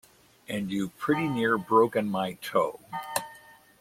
And you've pretty near broken my toe.